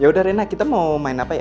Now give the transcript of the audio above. ya udah rena kita mau main apa ya